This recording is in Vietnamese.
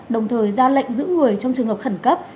đồng thời ra lệnh giữ người trong trường hợp khẩn cấp